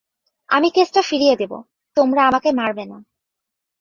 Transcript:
আমি কেসটা ফিরিয়ে দেবো, তোমরা আমাকে মারবে না।